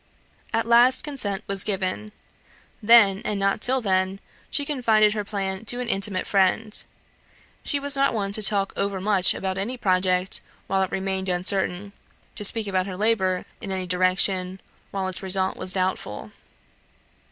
At last consent was given. Then, and not till then, she confided her plan to an intimate friend. She was not one to talk over much about any project, while it remained uncertain to speak about her labour, in any direction, while its result was doubtful.